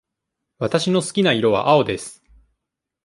わたしの好きな色は青です。